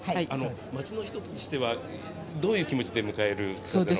町の人としてはどういう気持ちで迎えるものですか。